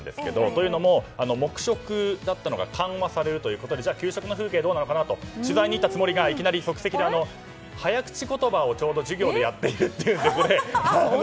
というのも黙食だったのが緩和されるということでじゃあ給食の風景どうなのかなと取材に行ったつもりがいきなり即席で早口言葉を、ちょうど授業でやっているというので。